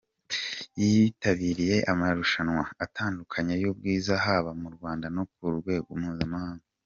Yitabiriye amarushanwa atandukanye y’ubwiza haba mu Rwanda no ku rwego mpuzamahanga.